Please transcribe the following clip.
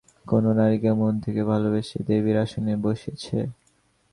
কোনো নারীকে মন থেকে ভালোবেসে দেবীর আসনে বসিয়েছে?